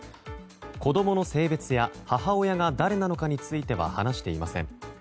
子供の性別や母親が誰なのかについては話していません。